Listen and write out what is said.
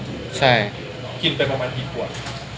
กินไปประมาณกี่ขวด